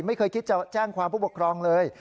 ไม่เคยคิดจะแจ้งความผู้ปกครองเลย